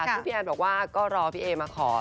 ซึ่งพี่แอนบอกว่าก็รอพี่เอมาขอ